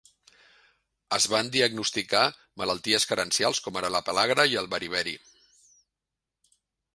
Es van diagnosticar malalties carencials com ara la pel·lagra i el beriberi.